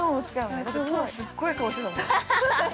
だって、トラすっごい顔してたもん。